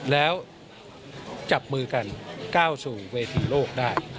แล้วจับมือกันก้าวสู่เวทีโลกได้